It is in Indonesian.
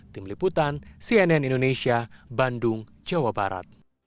tim liputan cnn indonesia bandung jawa barat